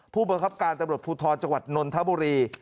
ผู้บังคับการตำรวจภูทรจังหวัดนนทบุรี